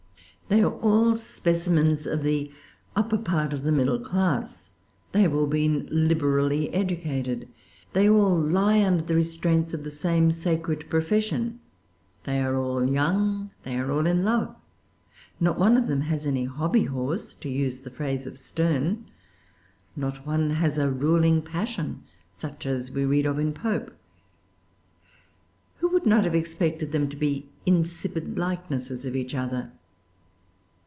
They are all specimens of the upper part of the middle class. They have all been liberally educated. They all lie under the restraints of the same sacred profession. They are all young. They are all in love. Not one of them has any hobbyhorse, to use the phrase of Sterne. Not one has a ruling passion, such as we read of in Pope. Who would not have expected them to be insipid likenesses of each other?